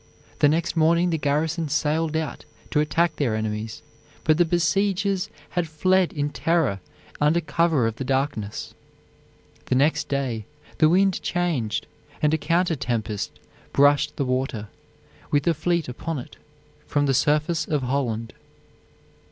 The next morning the garrison sallied out to attack their enemies, but the besiegers had fled in terror under cover of the darkness. The next day the wind changed, and a counter tempest brushed the water, with the fleet upon it, from the surface of Holland.